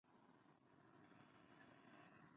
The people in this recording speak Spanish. The Lao.